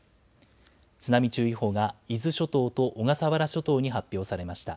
津波注意報が伊豆諸島と小笠原諸島に発表されました。